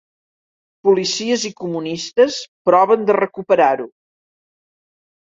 Policies i comunistes proven de recuperar-ho.